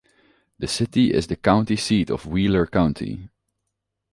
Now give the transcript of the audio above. The city is the county seat of Wheeler County.